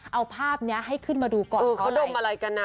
เอาภาพนี้ให้ขึ้นมาดูก่อนเขาดมอะไรกันนะ